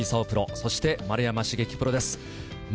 そして丸山茂樹プロです。